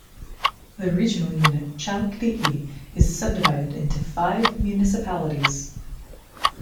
The regional unit Chalkidiki is subdivided into five municipalities.